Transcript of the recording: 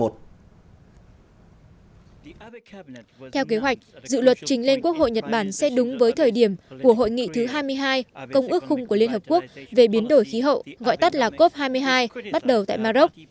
theo kế hoạch dự luật trình lên quốc hội nhật bản sẽ đúng với thời điểm của hội nghị thứ hai mươi hai công ước khung của liên hợp quốc về biến đổi khí hậu gọi tắt là cop hai mươi hai bắt đầu tại maroc